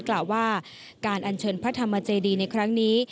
กล่าวว่าการอัญเชิญพระธรรมเจดีในครั้งนี้